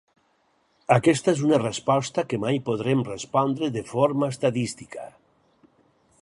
Aquesta és una resposta que mai podrem respondre de forma estadística.